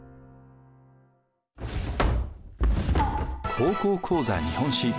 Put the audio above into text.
「高校講座日本史」。